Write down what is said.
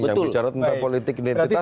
yang bicara tentang politik identitas